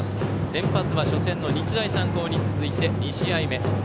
先発は初戦の日大三高に続いて２試合目。